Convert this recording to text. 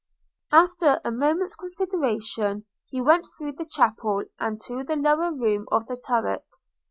After a moment's consideration, he went through the chapel, and to the lower room of the turret.